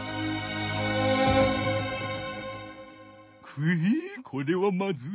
くうこれはまずい。